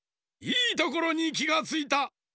いいところにきがついた！